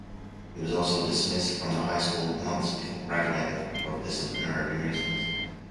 He was also dismissed from the High School months before graduating for disciplinary reasons.